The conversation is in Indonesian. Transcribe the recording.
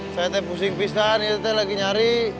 saya teh pusing pistan itu teh lagi nyari